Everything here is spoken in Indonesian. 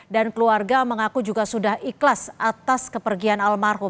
dan keluarga mengaku juga sudah ikhlas atas kepergian almarhum